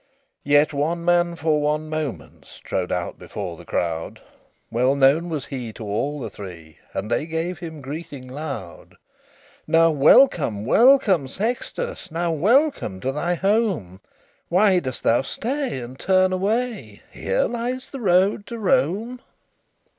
LI Yet one man for one moment Strode out before the crowd; Well known was he to all the Three, And they gave him greeting loud. "Now welcome, welcome, Sextus! Now welcome to thy home! Why dost thou stay, and turn away? Here lies the road to Rome."